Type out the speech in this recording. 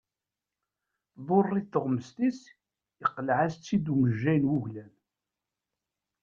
Tḍurr-it tuɣmest-is, yeqleɛ-as-tt-id umejjay n wuglan.